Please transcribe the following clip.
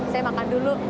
saya makan dulu